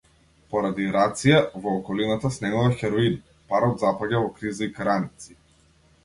Поради рација, во околината снемува хероин, парот запаѓа во криза и караници.